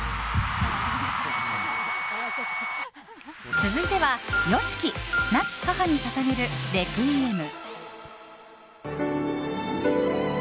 続いてはＹＯＳＨＩＫＩ亡き母に捧げるレクイエム。